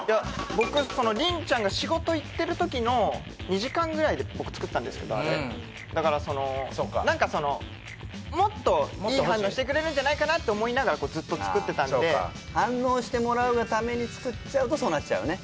僕りんちゃんが仕事行ってるときの２時間ぐらいで僕作ったんですけどあれだからその何かそのもっといい反応してくれるんじゃないかなって思いながらずっと作ってたんで反応してもらうがために作っちゃうとそうなっちゃうね